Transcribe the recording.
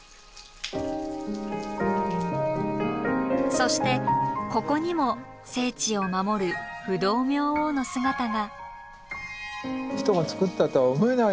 そしてここにも聖地を守る不動明王の姿が。